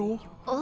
あ。